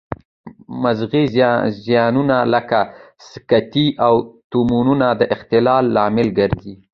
مغزي زیانونه لکه سکتې او تومورونه د اختلال لامل ګرځي